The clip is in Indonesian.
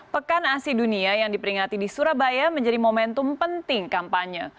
pekan asi dunia yang diperingati di surabaya menjadi momentum penting kampanye